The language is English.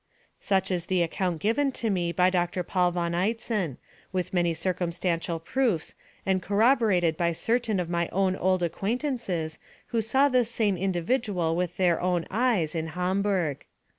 "Such is the account given to me by Doctor Paul von Eitzen, with many circumstantial proofs, and corroborated by certain of my own old acquaintances who saw this same individual with their own eyes in Hamburg.